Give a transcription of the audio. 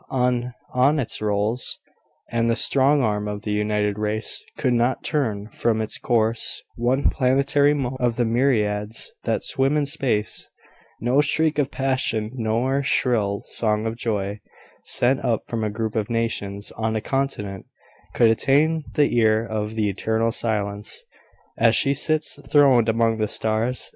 On, on it rolls; and the strong arm of the united race could not turn from its course one planetary mote of the myriads that swim in space: no shriek of passion nor shrill song of joy, sent up from a group of nations on a continent, could attain the ear of the eternal Silence, as she sits throned among the stars.